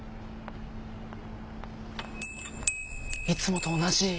いつもと同じ！